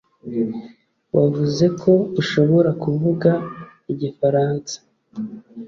Wavuze ko ushobora kuvuga igifaransa